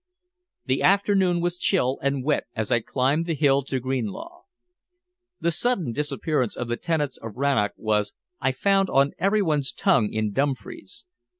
The afternoon was chill and wet as I climbed the hill to Greenlaw. The sudden disappearance of the tenants of Rannoch was, I found, on everyone's tongue in Dumfries.